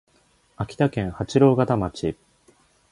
秋田県八郎潟町